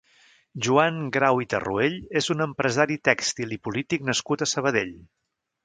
Joan Grau i Tarruell és un empresari tèxtil i polític nascut a Sabadell.